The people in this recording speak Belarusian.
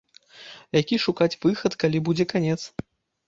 Які шукаць выхад, калі будзе канец?